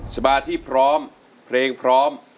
สบายที่พร้อมเพลงพร้อม